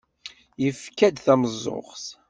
Yefka-d tameẓẓuɣt.